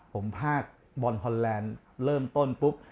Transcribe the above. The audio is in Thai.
ผมพากบอลฮอนแลนด์เริ่มต้นปุ๊บ